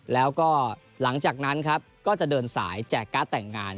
แล้วก็หลังจากนั้นครับก็จะเดินสายแจกการ์ดแต่งงาน